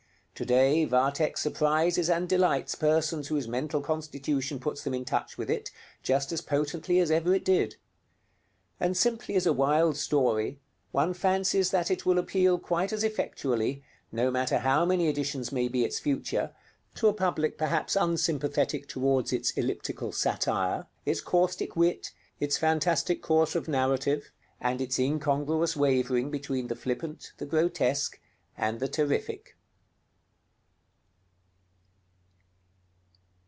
Today 'Vathek' surprises and delights persons whose mental constitution puts them in touch with it, just as potently as ever it did. And simply as a wild story, one fancies that it will appeal quite as effectually, no matter how many editions may be its future, to a public perhaps unsympathetic toward its elliptical satire, its caustic wit, its fantastic course of narrative, and its incongruous wavering between the flippant, the grotesque, and the terrific.